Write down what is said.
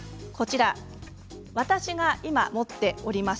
私が今、持っております